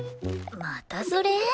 またそれ？